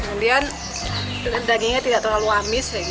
kemudian dengan dagingnya tidak terlalu amis